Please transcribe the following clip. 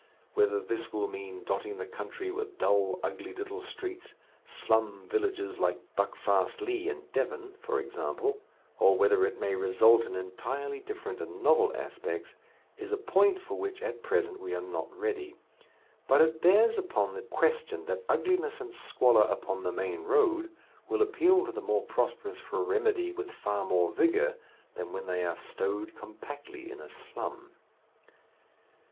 Whether this will mean dotting the country with dull, ugly little streets, slum villages like Buckfastleigh in Devon, for example, or whether it may result in entirely different and novel aspects, is a point for which at present we are not ready. But it bears upon the question that ugliness and squalor upon the main road will appeal to the more prosperous for remedy with far more vigour than when they are stowed compactly in a slum.